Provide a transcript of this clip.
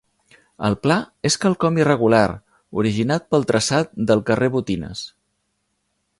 El pla és quelcom irregular originat pel traçat del carrer Botines.